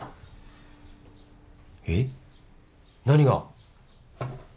えっ？何が？